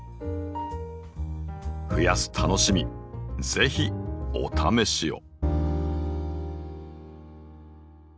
増やす楽しみ是非お試しを。